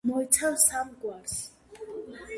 მოიცავს სამ გვარს.